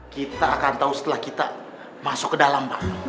kita akan tau setelah kita masuk ke dalam pak